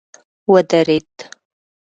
ودريد.